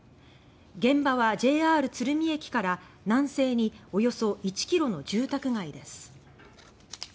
現場はＪＲ鶴見駅から南西におよそ１ｋｍの住宅街です。